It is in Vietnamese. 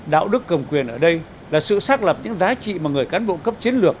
đạo đức cầm quyền ở đây là sự xác lập những giá trị mà người cán bộ cấp chiến lược